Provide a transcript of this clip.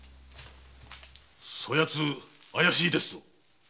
そやつ怪しいですぞ！